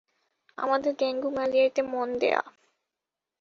আমাদের ডেঙ্গু ম্যালেরিয়াতে মন দেয়া।